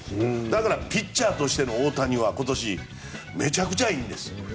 だからピッチャーとしての大谷は今年、めちゃくちゃいいです。